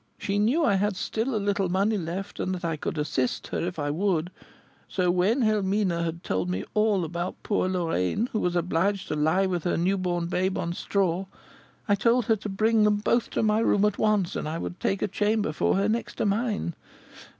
She knew I had still a little money left, and that I could assist her if I would; so, when Helmina had told me all about poor Lorraine, who was obliged to lie with her new born babe on straw, I told her to bring them both to my room at once, and I would take a chamber for her next to mine.